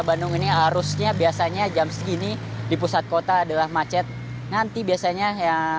bandung ini harusnya biasanya jam segini di pusat kota adalah macet nanti biasanya yang